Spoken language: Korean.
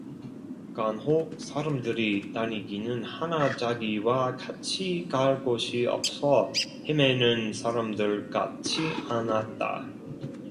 간혹 사람들이 다니기는 하나 자기와 같이 갈 곳이 없어 헤매는 사람들 같지 않았다.